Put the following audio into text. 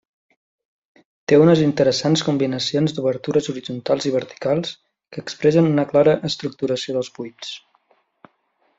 Té unes interessants combinacions d'obertures horitzontals i verticals que expressen una clara estructuració dels buits.